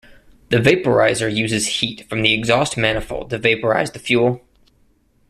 The vaporizer uses heat from the exhaust manifold to vaporize the fuel.